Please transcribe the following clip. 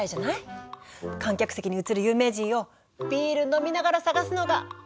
観客席に映る有名人をビール飲みながら探すのが好きなんだよねぇ！